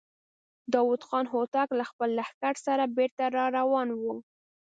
داوود خان هوتک له خپل لښکر سره بېرته را روان و.